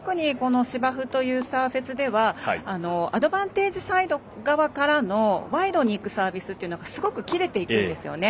芝生というサーフェスではアドバンテージサイド側からのワイドにいくサービスってすごく切れていくんですよね。